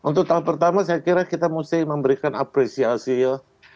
untuk tahun pertama saya kira kita mesti memberikan apresiasi ya